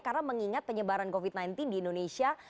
karena mengingat penyebaran covid sembilan belas di indonesia